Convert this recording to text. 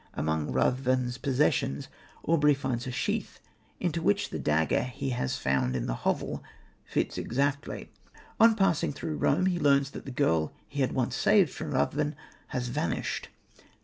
Among Ruthven's possessions Aubrey finds a sheath, into which the dagger he has found in the hovel fits exactly. On passing through Rome he learns that the girl he had once saved from Ruthven has vanished.